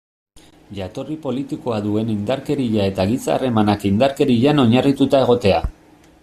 Jatorri politikoa duen indarkeria eta giza harremanak indarkerian oinarrituta egotea.